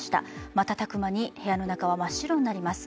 瞬く間に部屋の中は真っ白になります。